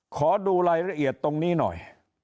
ขอดูรายละเอียดตรงนี้หน่อย